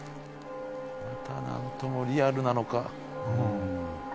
またなんともリアルなのか。